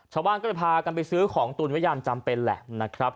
ชาวบ้านก็เลยพากันไปซื้อของตุนไว้ยามจำเป็นแหละนะครับ